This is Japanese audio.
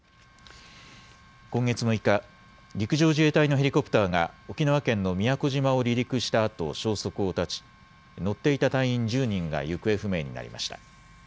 今月６日、陸上自衛隊のヘリコプターが沖縄県の宮古島を離陸したあと消息を絶ち、乗っていた隊員１０人が行方不明になりました。